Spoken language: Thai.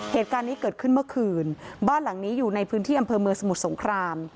เหตุการณ์นี้เกิดขึ้นเมื่อคืนบ้านหลังนี้อยู่ในพื้นที่อำเภอเมืองสมุทรสงคราม